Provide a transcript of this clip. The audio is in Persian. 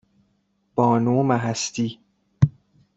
بانو مهستی